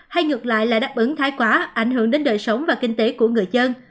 hay ngược lại là đáp ứng thái quá ảnh hưởng đến đời sống và kinh tế của người dân